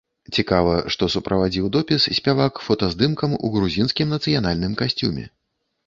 Цікава, што суправадзіў допіс спявак фотаздымкам у грузінскім нацыянальным касцюме.